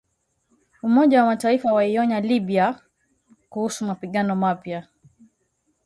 Umoja wa Mataifa waionya Libya kuhusu mapigano mapya